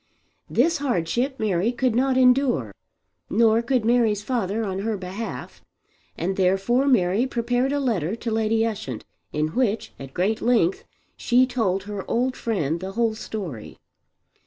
This hardship Mary could not endure, nor could Mary's father on her behalf, and therefore Mary prepared a letter to Lady Ushant in which, at great length, she told her old friend the whole story.